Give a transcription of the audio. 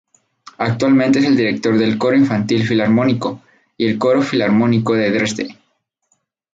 Actualmente es el director del Coro infantil Filarmónico y del Coro Filarmónico de Dresde.